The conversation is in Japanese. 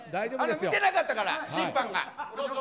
見てなかったから、審判が。